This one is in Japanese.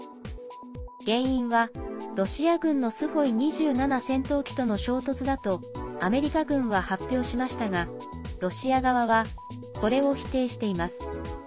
原因はロシア軍のスホイ２７戦闘機との衝突だとアメリカ軍は発表しましたがロシア側はこれを否定しています。